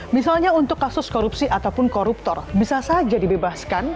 misalnya untuk kasus korupsi ataupun koruptor bisa saja dibebaskan